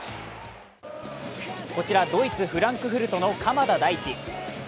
こちらドイツ・フランクフルトの鎌田大地。